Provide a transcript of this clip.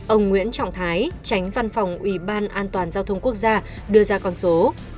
ông nguyễn trọng thái tránh văn phòng ủy ban an toàn giao thông quốc gia đưa ra con số